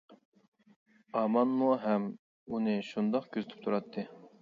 ئامانمۇ ھەم ئۇنى شۇنداق كۆزىتىپ تۇراتتى.